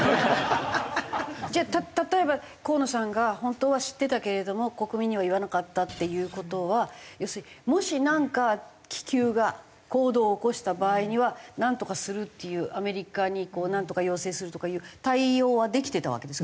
じゃあ例えば河野さんが本当は知ってたけれども国民には言わなかったっていう事は要するにもしなんか気球が行動を起こした場合にはなんとかするっていうアメリカになんとか要請するとかいう対応はできてたわけですか？